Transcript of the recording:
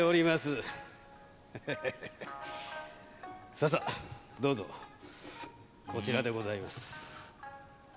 サァサァどうぞこちらでございます。